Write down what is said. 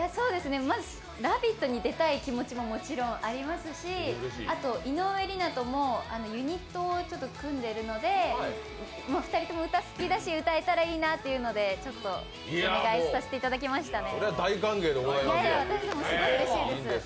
まず「ラヴィット！」に出たい気持ちももちろんありますしあと、井上梨名ともユニットを組んでいるので、２人とも歌好きだし、歌えたらいいなというので、ちょっとお願いさせていただきましたね。